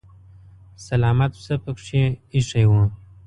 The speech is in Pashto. سلامت پسه پکې ايښی و.